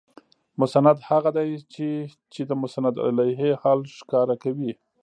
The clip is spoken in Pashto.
مسند هغه دئ، چي چي د مسندالیه حال ښکاره کوي.